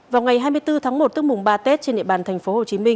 vào ngày hai mươi bốn tháng một tức mùng ba tết trên địa bàn tp hcm